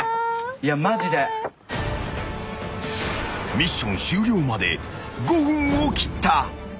［ミッション終了まで５分を切った］